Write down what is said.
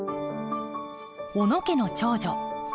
小野家の長女純子。